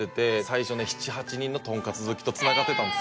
最初ね７８人のトンカツ好きと繋がってたんです。